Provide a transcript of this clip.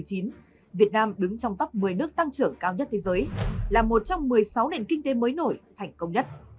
trong bốn năm hai nghìn một mươi sáu hai nghìn một mươi chín việt nam đứng trong tốc một mươi nước tăng trưởng cao nhất thế giới là một trong một mươi sáu nền kinh tế mới nổi thành công nhất